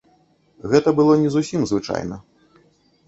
Гэта было не зусім звычайна.